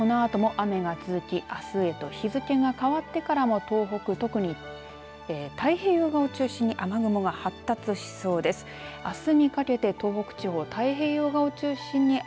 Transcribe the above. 東北地方はこのあとも雨が続きあすへと日付が変わったあとは東北、太平洋側を中心に雨雲が発達しそうです。